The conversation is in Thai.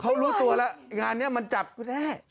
เขารู้ตัวแล้วงานนี้มันจัดก็ได้